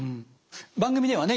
番組ではね